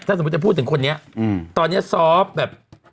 สมมุติจะพูดถึงคนนี้ตอนนี้ซอฟต์แบบ